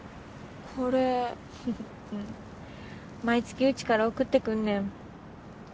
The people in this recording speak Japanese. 毎月うちから送ってくんねん。